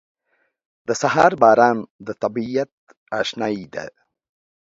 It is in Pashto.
• د سهار باران د طبیعت اشنايي ده.